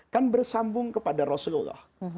kan bersambung kepada rasulullah